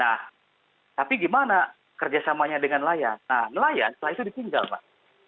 nah tapi gimana kerjasamanya dengan nelayan nah nelayan setelah itu ditinggal pak